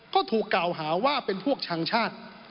ก็ถูกกล่าวหาว่าเป็นพวกชังชาติ